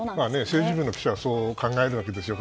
政治部の記者はそう考えるわけですよ。